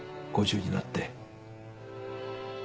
５０になって。